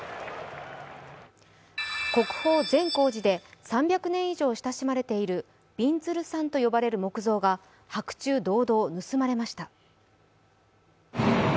国宝・善光寺で３００年以上親しまれているびんずるさんと呼ばれる仏像が白昼堂々盗まれました。